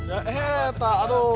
ya ya tak aduh